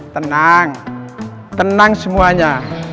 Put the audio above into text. tenang tenang semuanya